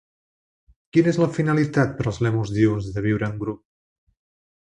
Quina és la finalitat per als lèmurs diürns de viure en grup?